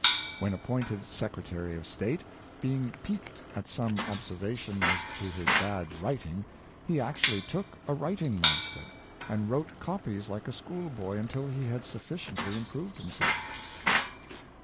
When appointed Secretary of State, being piqued at some observation as to his bad writing, he actually took a writing master, and wrote copies like a school boy until he had suffic iently improved himself.